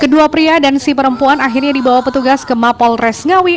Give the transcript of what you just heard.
kedua pria dan si perempuan akhirnya dibawa petugas ke mapol res ngawi